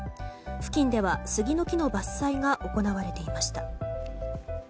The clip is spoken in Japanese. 付近では杉の木の伐採が行われていました。